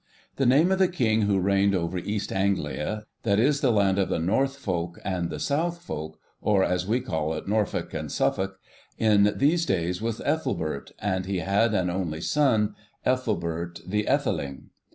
The name of the King who reigned over East Anglia that is, the land of the 'North folk' and the 'South folk,' or, as we call it, Norfolk and Suffolk in these days was Ethelbert, and he had an only son, Ethelbert the Ætheling.